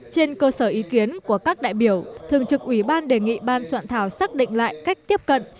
trên cơ sở ý kiến của các đại biểu thường trực ủy ban đề nghị ban soạn thảo xác định lại cách tiếp cận